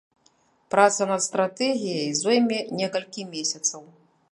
Праца над стратэгіяй зойме некалькі месяцаў.